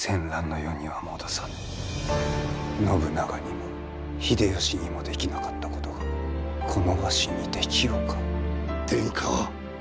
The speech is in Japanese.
信長にも秀吉にもできなかったことがこのわしにできようか？